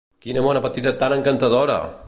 Quina mona petita tan encantadora!